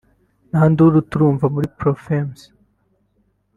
nta nduru turumva muri Pro-Femmes